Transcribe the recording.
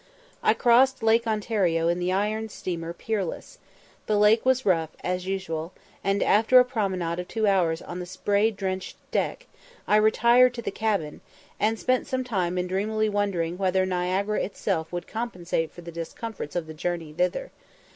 I crossed Lake Ontario in the iron steamer Peerless; the lake was rough as usual, and, after a promenade of two hours on the spray drenched deck, I retired to the cabin, and spent some time in dreamily wondering whether Niagara itself would compensate for the discomforts of the journey thither.